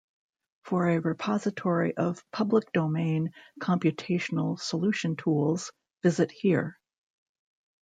For a repository of public-domain computational solution tools, visit here.